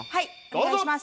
お願いします。